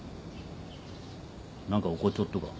なんか怒っちょっとか？